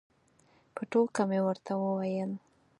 په ټوکه مې ورته وویل.